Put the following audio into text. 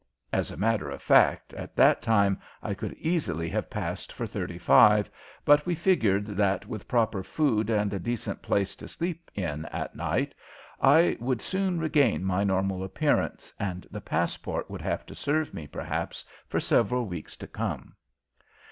As a matter of fact, at that time I could easily have passed for thirty five, but we figured that with proper food and a decent place to sleep in at night I would soon regain my normal appearance and the passport would have to serve me, perhaps, for several weeks to come.